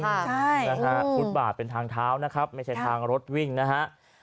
ใช่นะฮะฟุตบาทเป็นทางเท้านะครับไม่ใช่ทางรถวิ่งนะฮะ